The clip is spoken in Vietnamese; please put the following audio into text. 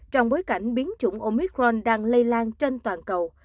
trong bối cảnh biến chủng omicron đang lây lan trên toàn cầu